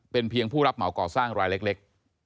เป็นเพียงผู้รับเหมาก่อสร้างรายเล็ก